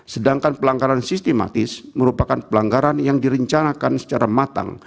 sedangkan pelanggaran sistematis merupakan pelanggaran yang direncanakan secara matang